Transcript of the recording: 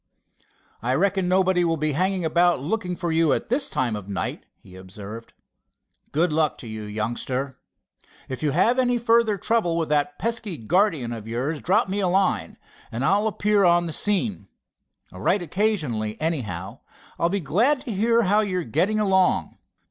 "I reckon nobody will be hanging around looking for you at this time of night," he observed. "Good luck to you, youngster. If you have any further trouble with that pesky guardian of yours, drop me a line and I'll appear on the scene. Write occasionally, anyhow. I'll be glad to hear how you are getting along.